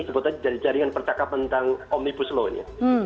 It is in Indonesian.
ini sebutan dari jaringan percakapan tentang omnibus law ini